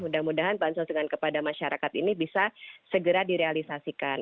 mudah mudahan bansos dengan kepada masyarakat ini bisa segera direalisasikan